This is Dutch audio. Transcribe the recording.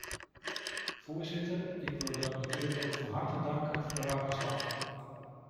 Voorzitter, ik wil de rapporteur ook van harte danken voor haar verslag.